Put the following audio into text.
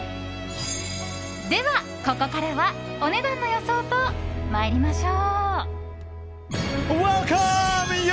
では、ここからはお値段の予想と参りましょう。